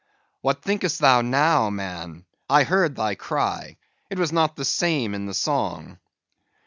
"What thinkest thou now, man; I heard thy cry; it was not the same in the song."